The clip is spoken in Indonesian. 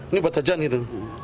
ini buat jajan gitu